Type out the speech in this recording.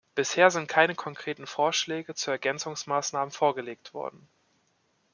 Bisher sind keine konkreten Vorschläge zu Ergänzungsmaßnahmen vorgelegt worden.